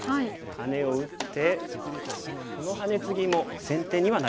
ハネを打ってこのハネツギも先手にはなりそうです。